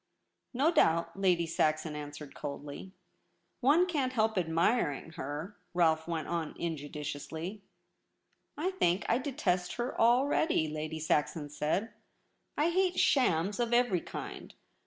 ' No doubt/ Lady Saxon answered coldly. ' One can't help admiring her,' Rolfe went on injudiciously. ' I think I detest her already,' Lady Saxon said. ' I hate shams of every kind.